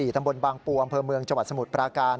ตำบลบางปูอำเภอเมืองจังหวัดสมุทรปราการ